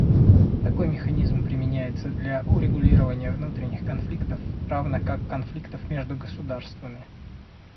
Такой механизм применяется для урегулирования внутренних конфликтов, равно как конфликтов между государствами.